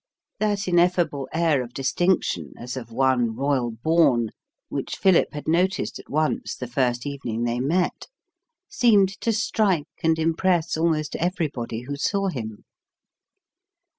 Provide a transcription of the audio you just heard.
That ineffable air of distinction as of one royal born, which Philip had noticed at once the first evening they met, seemed to strike and impress almost everybody who saw him.